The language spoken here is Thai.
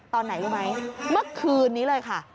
ตอนไหนรู้ไหมเมื่อคืนนี้เลยค่ะ